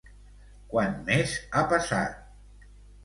Quan més ha passat?